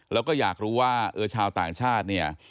แล้วก็อยากรู้ว่าชาวต่างชาติเนี่ย